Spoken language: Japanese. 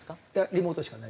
リモートしかない？